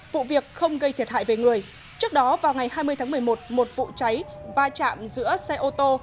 vụ việc không gây thiệt hại về người trước đó vào ngày hai mươi tháng một mươi một một vụ cháy va chạm giữa xe ô tô